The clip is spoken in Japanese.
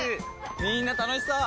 みんな楽しそう！